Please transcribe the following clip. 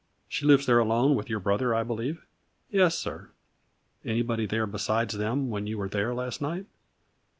She lives there alone with your brother, I believe ?"" Yes, sir." " Anybody there besides them when you were there last night?"